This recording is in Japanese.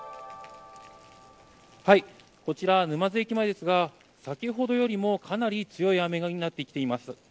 こちら、沼津駅前ですが先ほどよりもかなり強い雨のようになってきています。